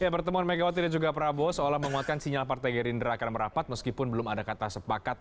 pertemuan megawati dan juga prabowo seolah menguatkan sinyal partai gerindra akan merapat meskipun belum ada kata sepakat